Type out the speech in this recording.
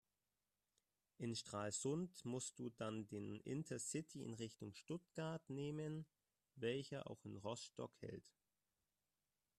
In Stralsund musst du dann den Intercity in Richtung Stuttgart nehmen, welcher auch in Rostock hält.